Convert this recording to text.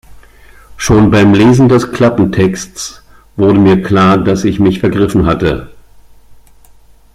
Schon beim Lesen des Klappentexts wurde mir klar, dass ich mich vergriffen hatte.